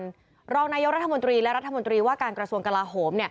รองนายกรัฐมนตรีและรัฐมนตรีว่าการกระทรวงกลาโหม